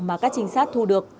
mà các trinh sát thu được